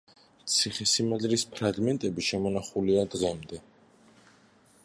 ციხესიმაგრის ფრაგმენტები შემონახულია დღემდე.